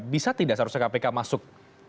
bisa tidak seharusnya kpk masuk